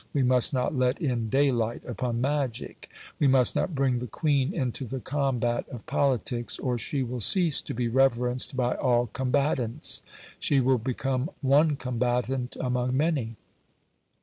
We must not let in daylight upon magic. We must not bring the Queen into the combat of politics, or she will cease to be reverenced by all combatants; she will become one combatant among many.